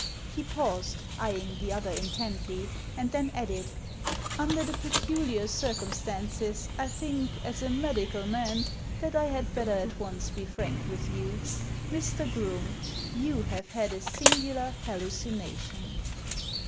He paused, eyeing the other intently, and then added, Under the peculiar circumstances I think, as a medical man, that I had better at once be frank with you. Mr. Groome, you have had a singular hallucination.